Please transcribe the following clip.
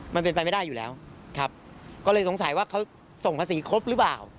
มันเป็นไปไม่ได้อยู่แล้วครับก็เลยสงสัยว่าเขาส่งภาษีครบหรือเปล่า